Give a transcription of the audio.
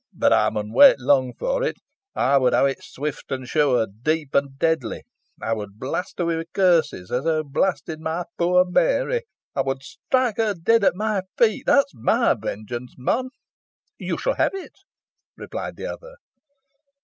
Boh ey mun wait lung for it. Ey wad ha' it swift and sure deep and deadly. Ey wad blast her wi' curses, os hoo blasted my poor Meary. Ey wad strike her deeod at my feet. That's my vengeance, mon." "You shall have it," replied the other.